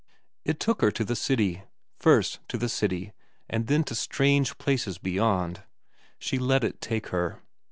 It took her to the City ; first to the City, and then to strange places beyond. She let it take her.